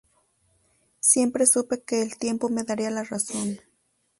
Siempre supe que el tiempo me daría la razón